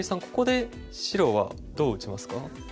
ここで白はどう打ちますか？